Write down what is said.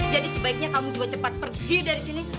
sebaiknya kamu juga cepat pergi dari sini